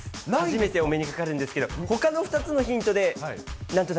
初めてお目にかかるんですけれども、ほかの２つのひんとぺ